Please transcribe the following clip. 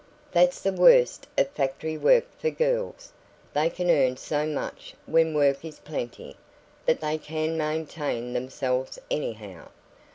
"That's the worst of factory work, for girls. They can earn so much when work is plenty, that they can maintain themselves any how.